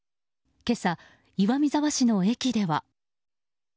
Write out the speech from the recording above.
今朝、岩見沢市の駅では。